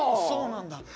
そうなんだ。